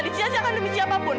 disiasiakan demi siapapun